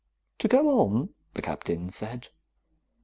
"To go on," the Captain said.